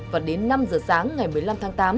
và đến năm giờ sáng ngày một mươi năm tháng tám